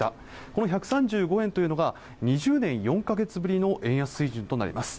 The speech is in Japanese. この１３５円というのが２０年４か月ぶりの円安水準となります